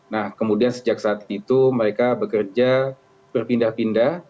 nah kemudian sejak saat itu mereka bekerja berpindah pindah